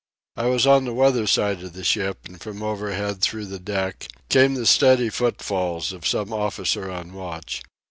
I was on the weather side of the ship, and from overhead, through the deck, came the steady footfalls of some officer on watch.